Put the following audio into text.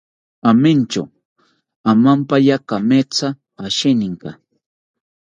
Aventyo omampaka kametha asheninka